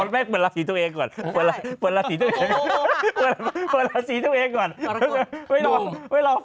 มันหยุดอ่อนล่ะ